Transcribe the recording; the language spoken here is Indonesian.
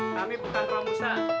kami bukan rambusan